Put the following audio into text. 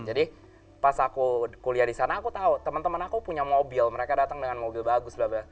jadi pas aku kuliah di sana aku tahu temen temen aku punya mobil mereka datang dengan mobil bagus